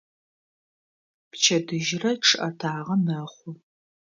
Пчэдыжьрэ чъыӀэтагъэ мэхъу.